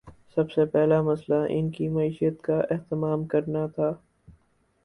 سب سے پہلا مسئلہ ان کی معیشت کا اہتمام کرنا تھا۔